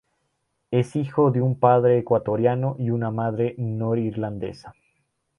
Es hijo de un padre ecuatoriano y una madre norirlandesa.